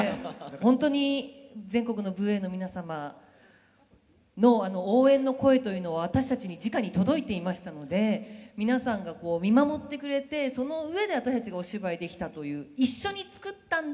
本当に全国の武衛の皆様の応援の声というのは私たちにじかに届いていましたので皆さんが見守ってくれてその上で私たちがお芝居できたという「一緒に作ったんだ